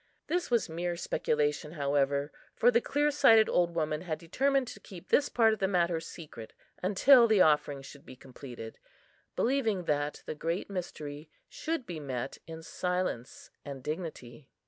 This was mere speculation, however, for the clearsighted old woman had determined to keep this part of the matter secret until the offering should be completed, believing that the "Great Mystery" should be met in silence and dignity.